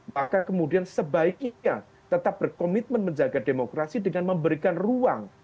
maka kemudian sebaiknya tetap berkomitmen menjaga demokrasi dengan memberikan ruang